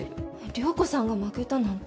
涼子さんが負けたなんて。